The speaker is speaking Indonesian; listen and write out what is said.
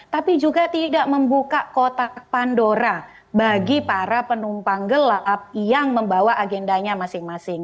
tapi juga tidak membuka kotak pandora bagi para penumpang gelap yang membawa agendanya masing masing